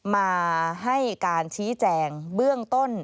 มาให้การชี้แจงเบื้องต้น